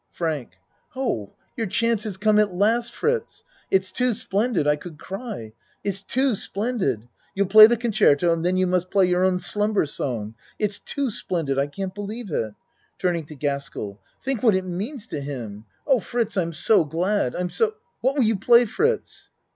FRANK Oh, your chance has come at last Fritz ! It's too splendid I could cry it's too splendid. You'll play the concerto and then you must play your own slumber song. It's too splendid I can't believe it. (Turning to Gaskell.) Think what it means to him Oh, Fritz! I'm so glad. I'm so What will you play, Fritz?